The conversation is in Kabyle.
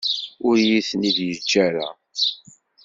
Ur iyi-ten-id-yeǧǧa ara.